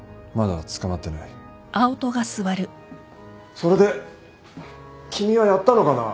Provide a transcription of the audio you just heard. それで君はやったのかな？